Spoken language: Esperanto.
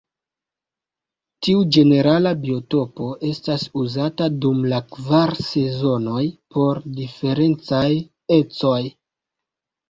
Tiu ĝenerala biotopo estas uzata dum la kvar sezonoj por diferencaj ecoj.